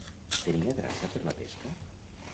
Tenia traça per la pesca?